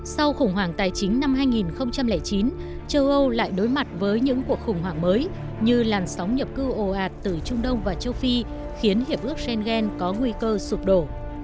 sau khủng hoảng tài chính năm hai nghìn chín châu âu lại đối mặt với những cuộc khủng hoảng mới như làn sóng nhập cư ồ ạt từ trung đông và châu phi khiến hiệp ước schengen có nguy cơ sụp đổ